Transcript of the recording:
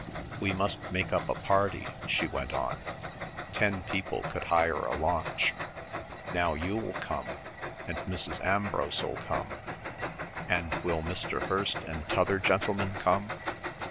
"We must make up a party," she went on. "Ten people could hire a launch. Now you'll come, and Mrs. Ambrose'll come, and will Mr. Hirst and t'other gentleman come?